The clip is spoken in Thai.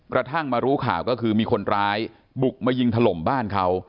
กระทั่งมารู้ข่าวก็คือมีคนร้ายบุกมายิงถล่มบ้านเขา